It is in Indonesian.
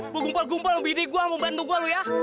mau gumpal gumpal bini gua mau bantu gua lu ya